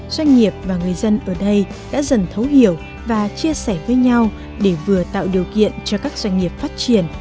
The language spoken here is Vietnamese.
doanh nghiệp và người dân ở đây đã dần thấu hiểu và chia sẻ với nhau để vừa tạo điều kiện cho các doanh nghiệp phát triển